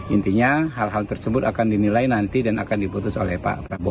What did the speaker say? intinya hal hal tersebut akan dinilai nanti dan akan diputus oleh pak prabowo